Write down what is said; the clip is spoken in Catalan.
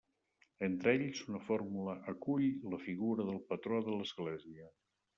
Entre ells, una fornícula acull la figura del patró de l'església.